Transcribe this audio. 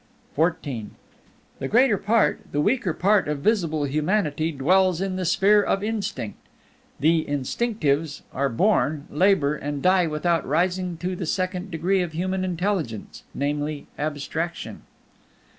XIV The greater part, the weaker part of visible humanity, dwells in the Sphere of Instinct. The Instinctives are born, labor, and die without rising to the second degree of human intelligence, namely Abstraction.